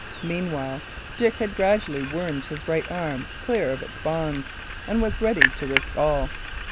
Meanwhile, Dick had gradually wormed his right arm clear of its bonds, and was ready to risk all.